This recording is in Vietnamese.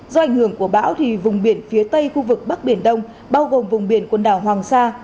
do ảnh hưởng của bão thì vùng biển phía tây khu vực bắc biển đông bao gồm vùng biển quần đảo hoàng sa